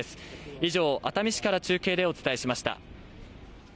以上、熱海市から中継でお伝えしました。